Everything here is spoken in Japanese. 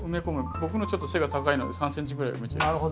僕のちょっと背が高いので３ｃｍぐらい埋めちゃいます。